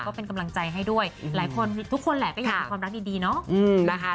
ก็เป็นกำลังใจให้ด้วยทุกคนแหละก็อยากมีความรักดีเนอะ